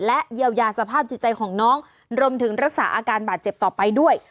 และเยียวยาสภาพจิตใจของน้องรวมถึงรักษาอาการบาดเจ็บต่อไปด้วย